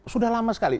sudah lama sekali